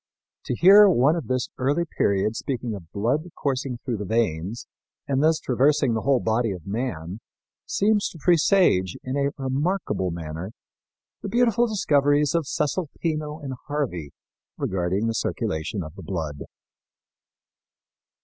To hear one of this early period speaking of blood coursing through the veins and thus traversing the whole body of man seems to presage, in a remarkable manner, the beautiful discoveries of Cesalpino and Harvey regarding the circulation of the blood.